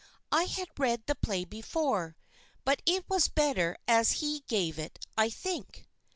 I had read the play before, but it was better as he gave it, I think.